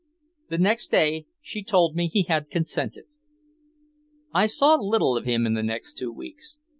The next day she told me he had consented. I saw little of him in the next two weeks.